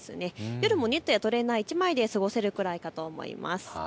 夜もニットやトレーナー１枚で過ごせるくらいかと思います。